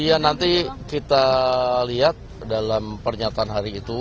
iya nanti kita lihat dalam pernyataan hari itu